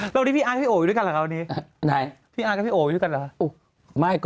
แล้วนี่พี่อ้างกับพี่โอ๊ยไหมครับพี่อ๊างกับพี่โอ๊ยรึไง